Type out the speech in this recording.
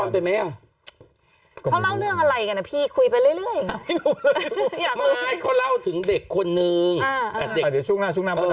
ผมไม่ได้ติดตามผมยังเรื่อง